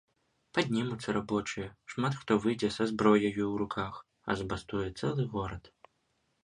Паднімуцца рабочыя, шмат хто выйдзе са зброяю ў руках, а забастуе цэлы горад!